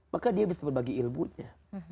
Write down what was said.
maka dia bisa berbagi ilmunya